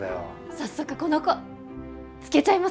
早速この子つけちゃいますか？